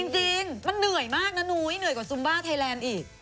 จริงมันเหนื่อยมากนะนุ้ยเหนื่อยกว่าซุมบ้าไทยแลนด์อีก